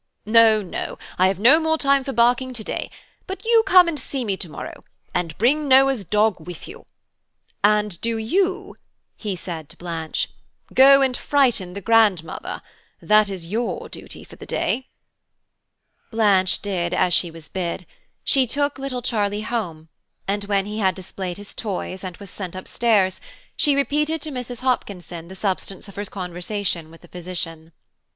"No, no, I have no time for more barking to day; but you come and see me to morrow and bring Noah's dog with you; and do you," he said to Blanche, "go and frighten the grandmother. That is your duty for the day." Blanche did as she was bid. She took little Charlie home, and when he had displayed his toys and was sent up stairs, she repeated to Mrs. Hopkinson the substance of her conversation with the physician.